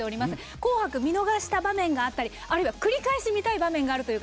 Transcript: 「紅白」見逃した場面があったりあるいは繰り返し見たい場面があるという方